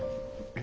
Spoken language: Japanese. え？